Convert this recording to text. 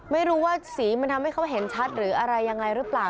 ไม่รู้ว่าสีมันทำให้เขาเห็นชัดหรืออะไรยังไงหรือเปล่า